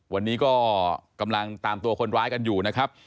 วันนี้ก็กำลังตามตัวคนร้ายกันอยู่นะครับ